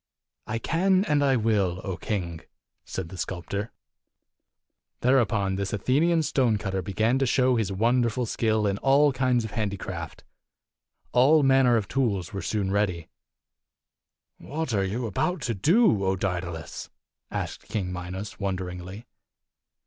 "I can and I will, O king!" said the sculptor. Thereupon this Athenian stonecutter began to show his wonderful skill in all kinds of handi craft. All manner of tools were soon ready. "What are you about to do, O Daedalus?" asked King Minos, wonderingly.